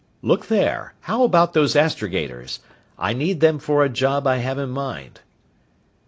Look there! How about those astrogators? I need them for a job I have in mind."